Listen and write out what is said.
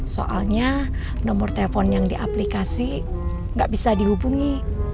soalnya nomor telepon yang di aplikasi nggak bisa dihubungi